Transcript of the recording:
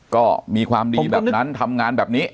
ก็มีความดีแบบนั้นทำงานแบบนี้